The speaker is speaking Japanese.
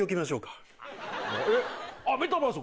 えっメタバース？